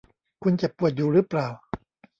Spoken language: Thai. คุณเจ็บปวดอยู่รึเปล่า ?